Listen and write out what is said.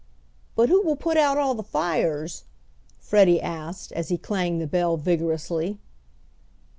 "But who will put out all the fires?" Freddie asked, as he clanged the bell vigorously.